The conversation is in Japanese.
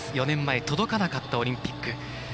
４年前、届かなかったオリンピック。